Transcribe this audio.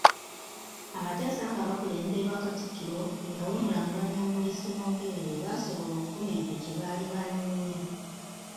Abateesa nga baakulemberwa Katikkiro eyawummula Mulwanyammuli Ssemwogere baasobola okufuna ekyo kye baali banoonya